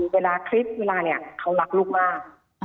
เวลาคลิ๊ปเวลาเขารักลูกมาก